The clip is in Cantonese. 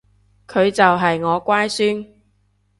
佢就係我乖孫